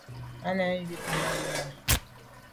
Á nèn njwit mum nà.